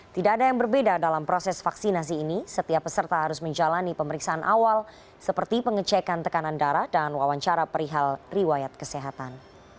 tidak ada yang berbeda dalam proses vaksinasi ini setiap peserta harus menjalani pemeriksaan awal seperti pengecekan tekanan darah dan wawancara perihal riwayat kesehatan